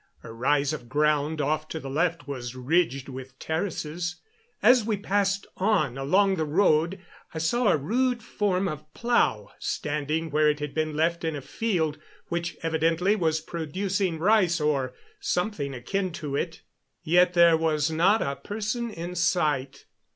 A rise of ground off to the left was ridged with terraces. As we passed on along the road I saw a rude form of plow standing where it had been left in a field which evidently was producing rice or something akin to it. Yet there was not a person in sight.